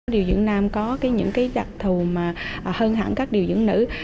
điều dưỡng nam có những đặc thù mà hơn hẳn các điều dưỡng nữ